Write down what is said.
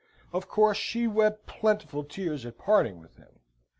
Of course, she wept plentiful tears at parting with him.